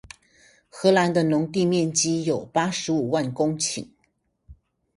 荷蘭的農地面積有八十五萬公頃